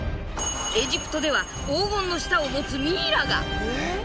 エジプトでは黄金の舌を持つミイラが。